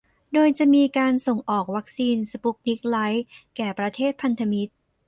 โดยจะมีการส่งออกวัคซีนสปุตนิก ไลท์ แก่ประเทศพันธมิตร